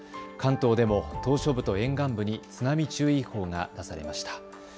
関東でも島しょ部と沿岸部に津波注意報が出されました。